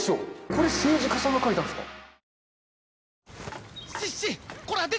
これ政治家さんが描いたんですか？